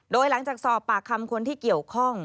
โดยหลังจากสอบปากคำคนที่เกี่ยวข้อง